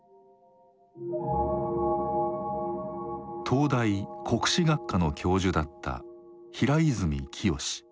東大国史学科の教授だった平泉澄。